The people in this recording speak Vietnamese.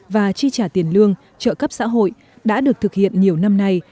và chi trả tiền lương trợ cấp xã hội đã được thực hiện nhiều năm nay